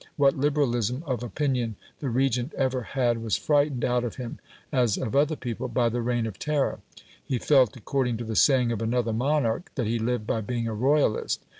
What liberalism of opinion the Regent ever had was frightened out of him (as of other people) by the Reign of Terror. He felt, according to the saying of another monarch, that "he lived by being a royalist".